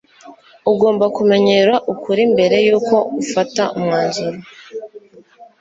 ugomba kumenyera ukuri mbere yuko ufata umwanzuro